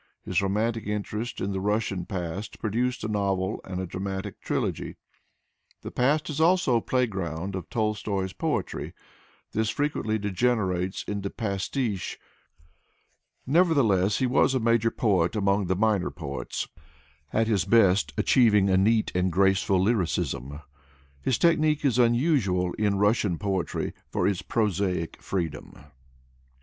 His romantic interest in the Russian past produced a novel and a dramatic trilogy. The past is also the playground of Tolstoy's poetry. This frequently degenerates into pastiche. Nevertheless he was a major poet among the minor poets, at his best achieving a neat and graceful lyricism. His technique is unusual in Rus sian poetry for its prosodic freedom.